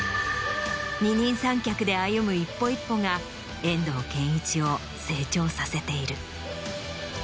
二人三脚で歩む一歩一歩が遠藤憲一を成長させている。